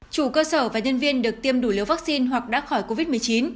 chủ cơ sở và nhân viên được tiêm đủ liều vaccine hoặc đã khỏi covid một mươi chín